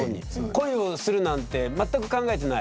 恋をするなんて全く考えてない。